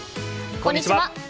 こんにちは。